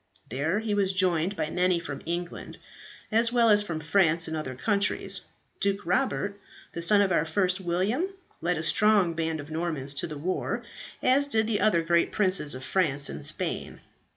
There he was joined by many from England, as well as from France and other countries. Duke Robert, the son of our first William, led a strong band of Normans to the war, as did the other great princes of France and Spain.